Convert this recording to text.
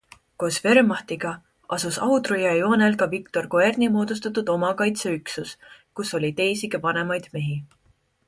Koos Wehrmachtiga asus Audru jõe joonel ka Viktor Koerni moodustatud omakaitseüksus, kus oli teisigi vanemaid mehi.